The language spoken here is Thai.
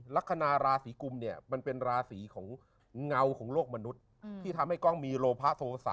ลักษณะราศีกุมเนี่ยมันเป็นราศีของเงาของโลกมนุษย์ที่ทำให้กล้องมีโลพะโสะ